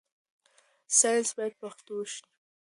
ساينس بايد پښتو شي.